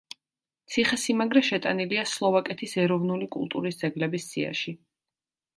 ციხესიმაგრე შეტანილია სლოვაკეთის ეროვნული კულტურის ძეგლების სიაში.